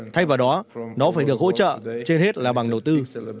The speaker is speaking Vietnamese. thay vào đó nó phải được hỗ trợ trên hết là bằng đầu tư